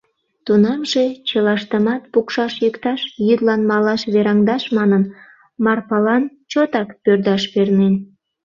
Тунамже чылаштымат пукшаш-йӱкташ, йӱдлан малаш вераҥдаш манын, Марпалан чотак пӧрдаш пернен.